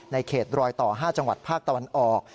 เขตรอยต่อ๕จังหวัดภาคตะวันออก